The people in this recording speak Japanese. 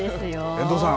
遠藤さん